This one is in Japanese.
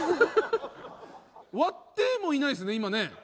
終わってもいないですね今ね。